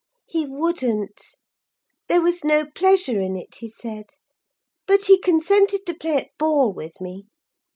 He wouldn't: there was no pleasure in it, he said; but he consented to play at ball with me.